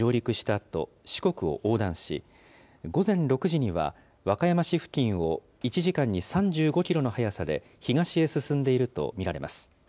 あと、四国を横断し、午前６時には和歌山市付近を１時間に３５キロの速さで東へ進んでいると見られます。